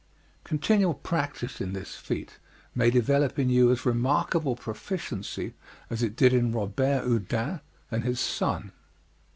Continual practise in this feat may develop in you as remarkable proficiency as it did in Robert Houdin and his son.